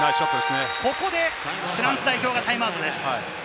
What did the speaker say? ここでフランス代表がタイムアウトです。